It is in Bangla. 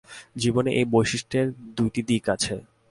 জীবনে এই বৈশিষ্ট্যের দুইটি দিক আছে।